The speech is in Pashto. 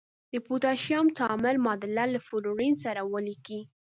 د پوتاشیم تعامل معادله له فلورین سره ولیکئ.